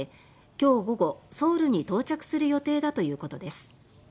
今日午後、ソウルに到着する予定だということです。